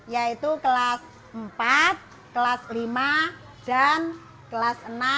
yaitu kelas empat kelas lima dan kelas enam